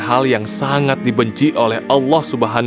hal yang sangat dibenci oleh allah swt